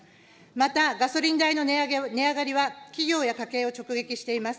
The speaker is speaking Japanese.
また、ガソリン代の値上がりは、企業や家計を直撃しています。